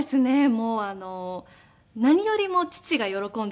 もう何よりも父が喜んでくれました。